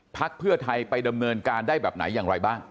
เพื่อไทยไปดำเนินการได้แบบไหนอย่างไรบ้าง